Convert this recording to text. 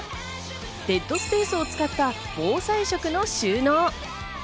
デッドスペースを使った防災食の収納。